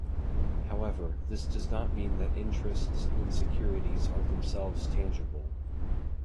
However, this does not mean that interests in securities are themselves tangible.